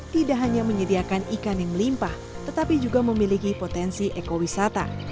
tidak hanya menyediakan ikan yang melimpah tetapi juga memiliki potensi ekowisata